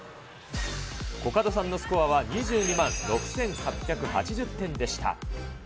コカドさんのスコアは２２万６８８０点でした。